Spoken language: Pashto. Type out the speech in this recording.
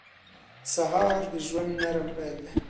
سهار د ژوند نرم پیل دی.